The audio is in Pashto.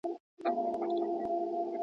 په سپین سر ململ پر سر ..